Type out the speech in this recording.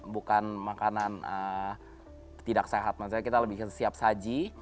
bukan makanan tidak sehat maksudnya kita lebih siap saji